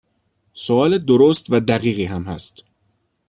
سوال درست و دقیقی هم هست.